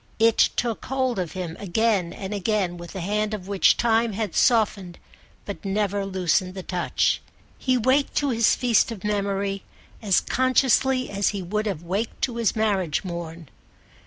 It took hold of him again and again with a hand of which time had softened but never loosened the touch. He waked to his feast of memory as consciously as he would have waked to his marriage morn.